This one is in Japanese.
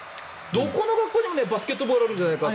どこの学校にもバスケットボール部あるんじゃないか。